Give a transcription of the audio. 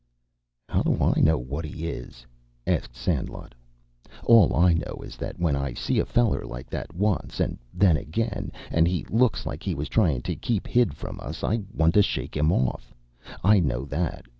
"How do I know what he is?" asked Sandlot. "All I know is that when I see a feller like that once, and then again, and he looks like he was tryin' to keep hid from us, I want to shake him off. I know that.